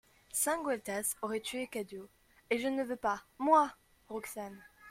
Saint-Gueltas aurait tué Cadio, et je ne veux pas, moi ! ROXANE.